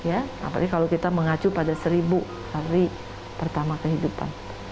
apalagi kalau kita mengacu pada seribu hari pertama kehidupan